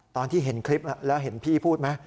ตอนที่เห็นคลิปแล้วเห็นพี่พูดไหม